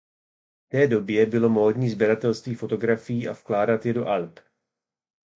V té době bylo módní sběratelství fotografií a vkládat je do alb.